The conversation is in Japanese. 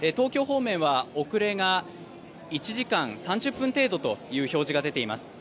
東京方面は遅れが１時間３０分程度という表示が出ています。